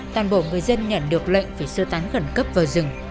toàn bộ người dân nhận được lệnh phải sơ tán khẩn cấp vào rừng